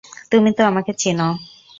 তুমি তো আমাকে চেনো।